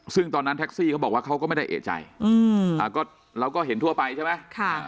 ซึ่งตอนนั้นแท็กซี่เขาบอกว่าเขาก็ไม่ได้เอกใจเราก็เห็นทั่วไปใช่ไหม